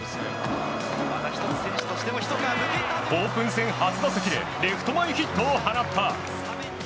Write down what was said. オープン戦初打席でレフト前ヒットを放った！